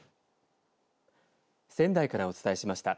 仙台からお伝えしました。